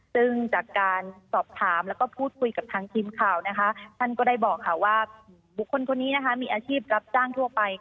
ซึ่งจากการสอบถามแล้วก็พูดคุยกับทางทีมข่าวนะคะท่านก็ได้บอกค่ะว่าบุคคลคนนี้นะคะมีอาชีพรับจ้างทั่วไป